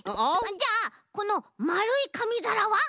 じゃあこのまるいかみざらは？